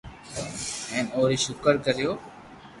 ھين اوري ݾڪر ڪريو